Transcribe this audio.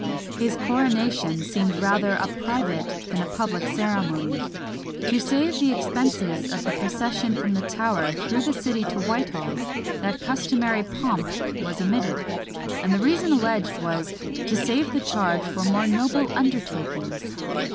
His coronation seemed rather a private than a public ceremony. To save the expenses of the procession from the Tower through the city to Whitehall, that customary pomp was omitted; and the reason alleged was "to save the charge for more noble undertakings!"